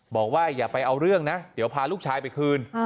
อย่าไปเอาเรื่องนะเดี๋ยวพาลูกชายไปคืน